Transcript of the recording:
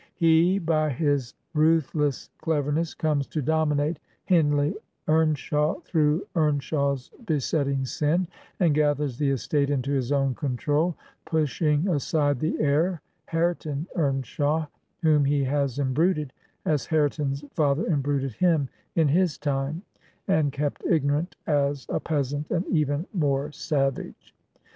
He, by his ruthless cleverness, comes to dominate Hindley Eam shaw through Eamshaw's besetting sin, and gathers the estate into his own pontrol, pushing aside the heir, Hareton Eamshaw, whom he has imbruted, as Hareton's father imbruted him in his time, and kept ignoraint as a peasant and even more savage.